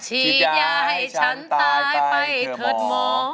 ฉีดยาให้ฉันตายไปเถิดหมอ